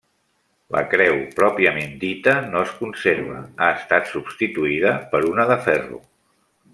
La creu pròpiament dita, no es conserva; ha estat substituïda per una de ferro.